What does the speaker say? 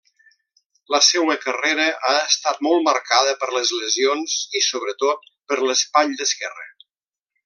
La seua carrera ha estat molt marcada per les lesions i, sobretot, per l'espatlla esquerra.